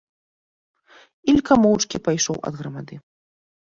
Ілька моўчкі пайшоў ад грамады.